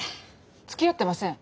つきあってません。